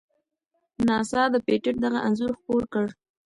ناسا د پېټټ دغه انځور خپور کړ.